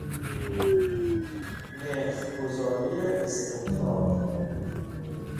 نرخگذاری استحقاق